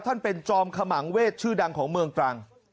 ท่านเป็นจอมขมังเวศชื่อดังของเมืองตรัง